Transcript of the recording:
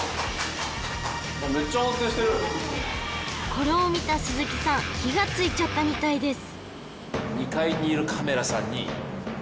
これを見た鈴木さん火がついちゃったみたいです